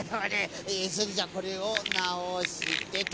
それじゃあこれをなおしてと。